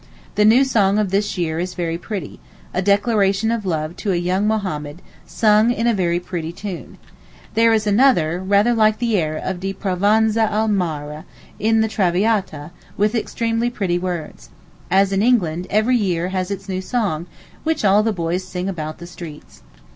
The new song of this year is very pretty—a declaration of love to a young Mohammed, sung to a very pretty tune. There is another, rather like the air of 'Di Provenza al mar' in the 'Traviata,' with extremely pretty words. As in England, every year has its new song, which all the boys sing about the streets.